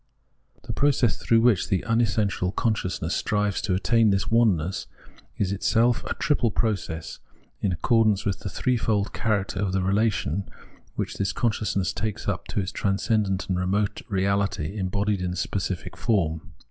The process through which the unessential conscious ness strives to attain this oneness, is itself a triple process, in accordance with the threefold character of the relation which this consciousness takes up to its transcendent and remote reahty embodied in specific form.